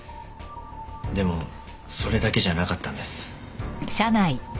でもそれだけじゃなかったんです。